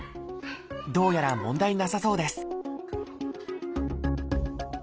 どうやら問題なさそうです